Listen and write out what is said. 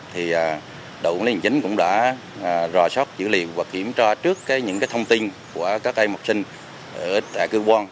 thì đội quân liên chính cũng đã rò sóc dữ liệu và kiểm tra trước những thông tin của các em học sinh ở cư quân